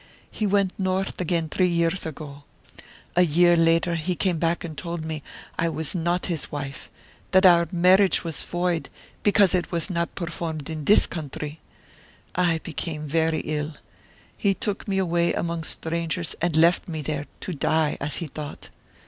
He went north again three years ago. A year later he came back and told me I was not his wife, that our marriage was void because it was not performed in this country. I became very ill. He took me away among strangers and left me there, to die, as he thought.